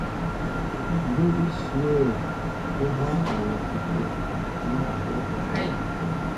Mbú' íshyə̂ í hɔ́ɔ́ŋ a lati tə̂ nɛ́ abɔ́' kwón.